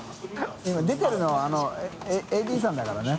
出てるのはＡＤさんだからね。